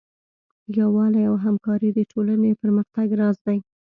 یووالی او همکاري د ټولنې د پرمختګ راز دی.